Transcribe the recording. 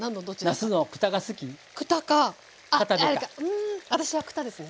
うん私はくたですね。